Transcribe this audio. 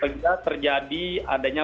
jika terjadi adanya